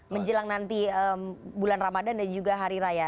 menjelang nanti bulan ramadan dan juga hari raya